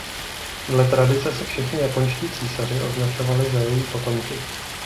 Dle tradice se všichni japonští císaři označovali za její potomky.